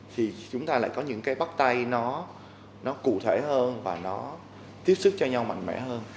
thì chúng ta lại có những cái bắt tay nó cụ thể hơn và nó tiếp xúc cho nhau mạnh mẽ hơn